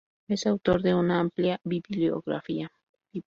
Es autor de una amplia bibliografía.